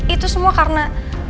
itu semua karena